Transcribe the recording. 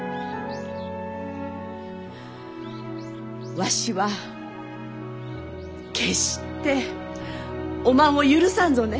わしは決しておまんを許さんぞね。